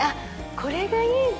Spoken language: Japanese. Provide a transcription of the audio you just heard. これがいい。